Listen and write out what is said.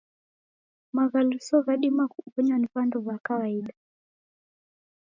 Maghaluso ghadima kubonywa ni w'andu wa kawaida.